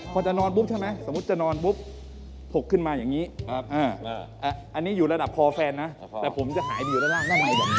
พอจะนอนปุ๊บใช่ไหมสมมุติจะนอนปุ๊บถกขึ้นมาอย่างนี้อันนี้อยู่ระดับคอแฟนนะแต่ผมจะหายไปอยู่ด้านล่างด้านในอย่างนี้